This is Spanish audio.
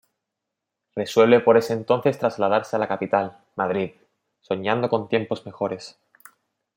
Resuelve por ese entonces trasladarse a la capital, Madrid, soñando con tiempos mejores.